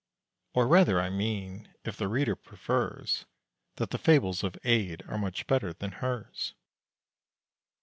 (Or rather, I mean, if the reader prefers, That the fables of Ade are much better than hers!)